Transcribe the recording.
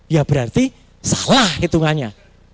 ya berarti salah hitungannya